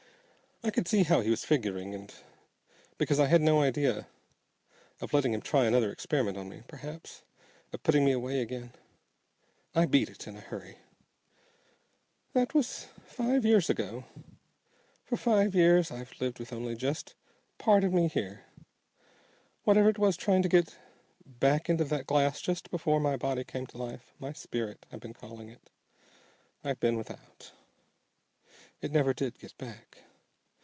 I could see how he was figuring, and because I had no idea of letting him try another experiment on me, p'r'aps of putting me away again, I beat it in a hurry. "That was five years ago. For five years I've lived with only just part of me here. Whatever it was trying to get back into that glass just before my body came to life my spirit, I've been calling it I've been without. It never did get back.